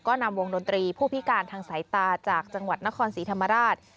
ก็นำวงดนตรีผู้พิการทางสายตาจากจังหวัดนครศรีธรรมราช